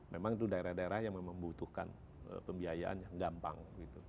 memang itu daerah daerah yang membutuhkan pembiayaan yang gampang